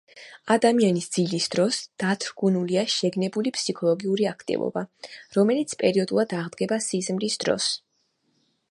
ადამიანის ძილის დროს დათრგუნულია შეგნებული ფსიქოლოგიური აქტივობა, რომელიც პერიოდულად აღდგება სიზმრის დროს.